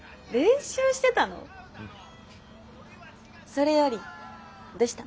それよりどうしたの？